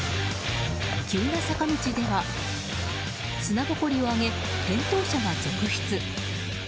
急な坂道では砂ぼこりを上げ、転倒者が続出。